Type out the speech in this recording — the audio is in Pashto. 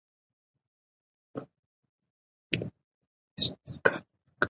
که نجونې روغتون جوړ کړي نو ناروغ به نه وي بې دواه.